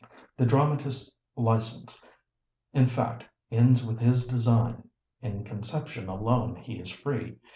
The dramatist's license, in fact, ends with his design. In conception alone he is free.